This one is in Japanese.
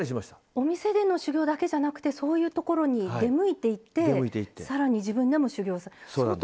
お店での修業だけじゃなくて出向いていって、さらに自分でも修業すると。